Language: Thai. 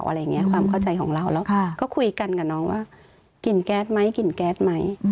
อะไรอย่างนี้ความเข้าใจของเราแล้วก็คุยกันกับน้องว่ากลิ่นแก๊สไหมกลิ่นแก๊สไหม